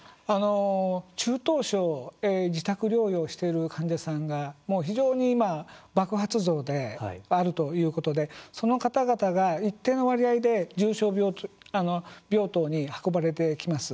中等症、自宅療養している患者さんが非常に今、爆発増であるということでその方々が一定の割合で重症病棟に運ばれてきます。